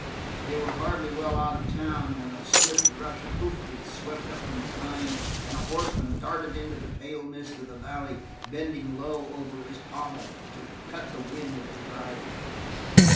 They were hardly well out of the town when a swift rush of hoof beats swept up from behind, and a horseman darted into the pale mist of the valley bending low over his pommel to cut the wind of his riding.